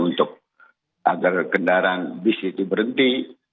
untuk agar kendaraan bis itu berhenti